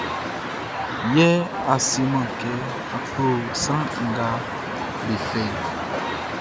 Yɛ a seman kɛ a klo sran nga be fɛʼn.